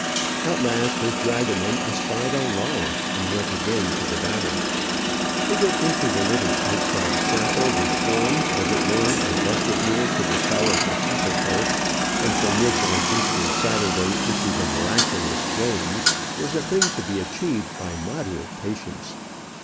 At last his dragoman espied a lull, and went again to the battle. To get into the little outside chapel, which forms, as it were, a vestibule to the cell of the sepulchre, and from which on Easter Saturday issue the miraculous flames, was a thing to be achieved by moderate patience.